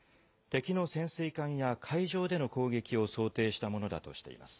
敵の潜水艦や海上での攻撃を想定したものだとしています。